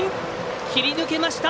切り抜けました！